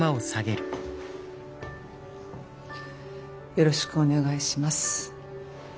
よろしくお願いします。